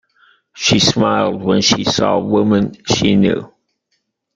She smiled when she saw women she knew.